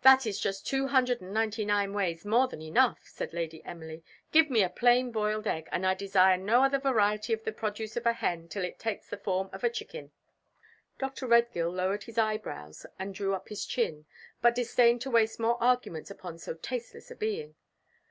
"That is just two hundred and ninety nine ways more than enough," said Lady Emily "give me a plain boiled egg, and I desire no other variety of the produce of a hen till it takes the form of a chicken." Dr. Redgill lowered his eyebrows and drew up his chin, but disdained to waste more arguments upon so tasteless a being.